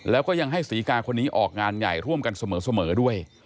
แล้วก็ยังให้ศรีกาคนนี้ออกงานใหญ่ร่วมกันเสมอด้วย